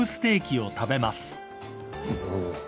お。